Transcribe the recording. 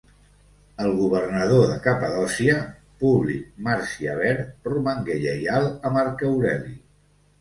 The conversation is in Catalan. El governador de Capadòcia, Publi Marcià Ver, romangué lleial a Marc Aureli.